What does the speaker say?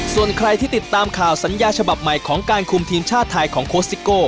ส่วนใครที่ติดตามข่าวสัญญาฉบับใหม่ของการคุมทีมชาติไทยของโค้ชซิโก้